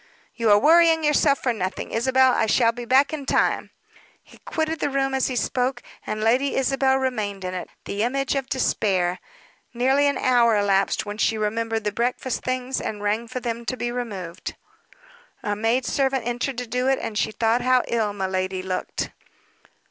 "You are worrying yourself for nothing, Isabel. I shall be back in time." He quitted the room as he spoke, and Lady Isabel remained in it, the image of despair. Nearly an hour elapsed when she remembered the breakfast things, and rang for them to be removed. A maid servant entered to do it, and she thought how ill miladi looked.